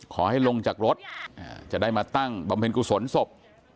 ขอให้ลงจากรถจะได้มาตั้งบำเพ็ญกุศลศพ